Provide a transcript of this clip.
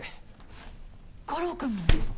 悟郎君も？